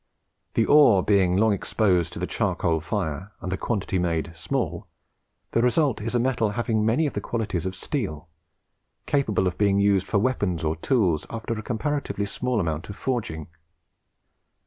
The ore being long exposed to the charcoal fire, and the quantity made small, the result is a metal having many of the qualities of steel, capable of being used for weapons or tools after a comparatively small amount of forging.